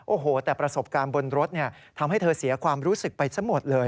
โอ้โหแต่ประสบการณ์บนรถทำให้เธอเสียความรู้สึกไปซะหมดเลย